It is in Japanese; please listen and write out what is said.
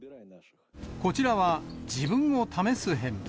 こちらは、自分を試す編。